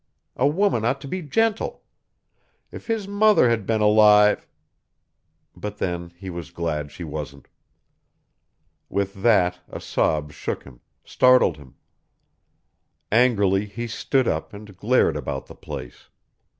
A woman ought to be gentle if his mother had been alive but then he was glad she wasn't. With that a sob shook him startled him. Angrily he stood up and glared about the place.